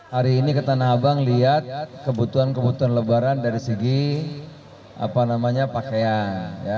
hari ini ke tanah abang lihat kebutuhan kebutuhan lebaran dari segi pakaian